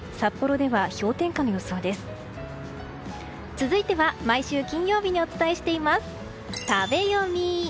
続いては毎週金曜日にお伝えしています、食べヨミ。